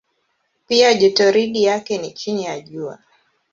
Pia jotoridi yake ni chini ya Jua.